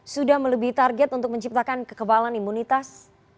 sudah melebihi target untuk menciptakan kekebalan imunitas